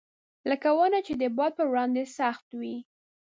لکه ونه چې د باد پر وړاندې سخت وي.